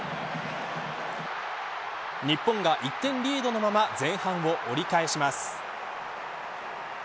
日本が１点リードのまま前半を折り返します。